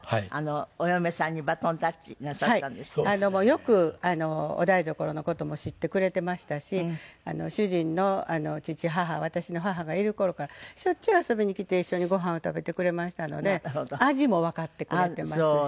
よくお台所の事も知ってくれてましたし主人の父母私の母がいる頃からしょっちゅう遊びに来て一緒にごはんを食べてくれましたので味もわかってくれてますし。